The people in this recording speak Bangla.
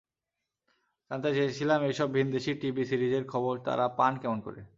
জানতে চেয়েছিলাম এসব ভিনদেশি টিভি সিরিজের খবর তাঁরা পান কেমন করে।